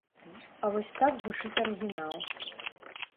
А вось так гучыць арыгінал.